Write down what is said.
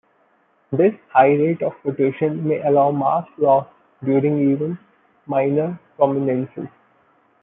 This high rate of rotation may allow mass loss during even minor prominences.